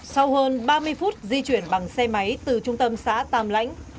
sau hơn ba mươi phút di chuyển bằng xe máy từ trung tâm xã tàm lãnh